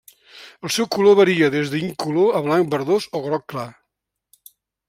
El seu color varia des d'incolor a blanc verdós o groc clar.